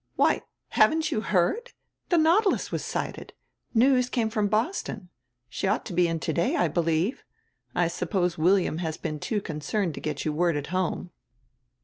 "Why, haven't you heard! The Nautilus was sighted. News came from Boston. She ought to be into day, I believe. I suppose William has been too concerned to get you word at home."